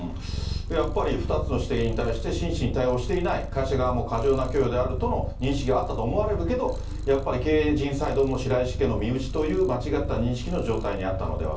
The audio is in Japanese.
やっぱり２つの指摘に対して真摯に対応していない、会社側も過剰な供与であるとの認識があったと思われるけど、やっぱり経営陣サイドも白石家の身内という間違った認識の状態にあったのでは。